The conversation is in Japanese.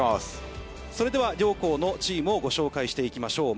それでは両校のチームをご紹介していきます。